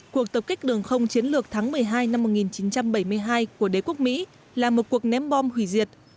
cuộc tập kích đường không chiến lược tháng một mươi hai năm một nghìn chín trăm bảy mươi hai của đế quốc mỹ là một cuộc ném bom hủy diệt